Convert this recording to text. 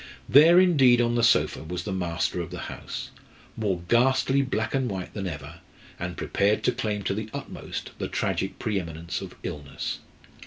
There, indeed, on the sofa was the master of the house, more ghastly black and white than ever, and prepared to claim to the utmost the tragic pre eminence of illness.